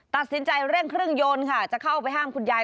ตัดสินใจเร่งเครื่องยนต์ค่ะจะเข้าไปห้ามคุณยาย